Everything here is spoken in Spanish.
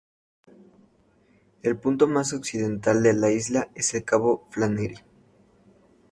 El punto más occidental de la isla es el cabo Flannery.